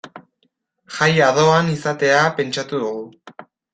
Jaia doan izatea pentsatu dugu.